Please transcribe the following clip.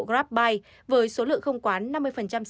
grabbuy với số lượng không quán